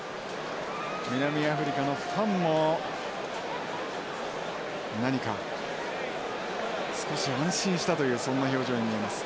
南アフリカのファンも何か少し安心したというそんな表情に見えます。